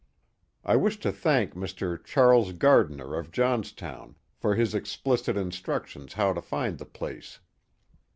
I wish to thank Mr. Charles Gar diner of Johnstown for his explicit instructions how to find the place.